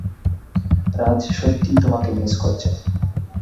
রাজ সত্যিই তোমাকে মিস করছে।